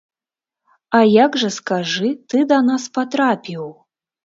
А як жа, скажы, ты да нас патрапіў?